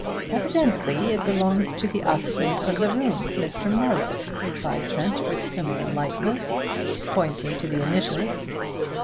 "Evidently it belongs to the occupant of the room, Mr. Marlowe," replied Trent with similar lightness, pointing to the initials.